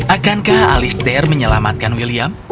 akankah alistair menyelamatkan william